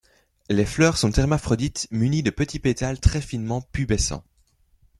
Les fleurs sont hermaphrodites munies de petits pétales très finement pubescent.